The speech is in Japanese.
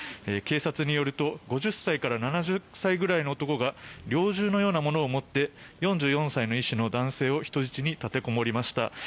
警察によると５０歳から７０歳くらいの男が猟銃のようなものを持って４４歳の医師の男性を人質に立てこもりました。